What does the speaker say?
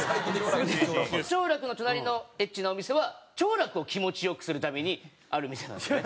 兆楽の隣のエッチなお店は兆楽を気持ち良くするためにある店なんですよね。